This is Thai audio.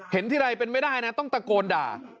เห็นทีไรเป็นไม่ได้นะต้องตะโกนด่า